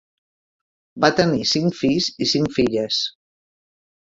Va tenir cinc fills i cinc filles.